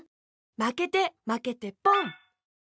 まけてまけてポン！